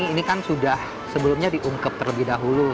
ini kan sudah sebelumnya diungkep terlebih dahulu